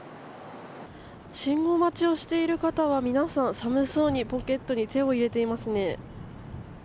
信号待ちをしている方は皆さん、寒そうにポケットに手を入れていますね。